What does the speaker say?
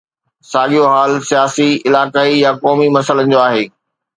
ساڳيو حال سياسي، علائقائي يا قومي مسئلن جو آهي.